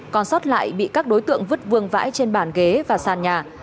còn sót lại bị các đối tượng vứt vương vãi trên bàn ghế và sàn nhà